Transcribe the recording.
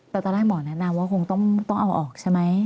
แต่ตอนแรกหมอแนะนำว่าคงต้องเอาออกใช่ไหม